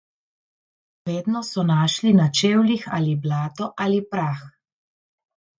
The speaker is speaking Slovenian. Vedno so našli na čevljih ali blato ali prah.